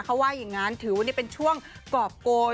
เขาว่าอย่างนั้นถือว่านี่เป็นช่วงกรอบโกย